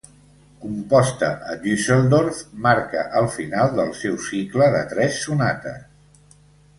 Composta a Düsseldorf, marca el final del seu cicle de tres sonates.